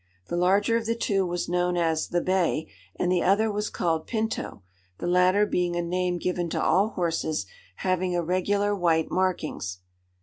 The larger of the two was known as the "Bay," and the other was called "Pinto," the latter being a name given to all horses having irregular white markings.